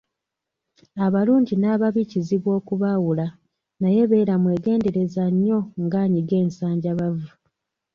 Abalungi n'ababi kizibu okubaawula naye beera mwegendereza nnyo ng'anyiga ensanjabavu.